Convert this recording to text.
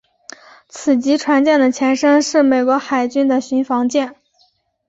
此级船舰的前身是美国海军的巡防舰。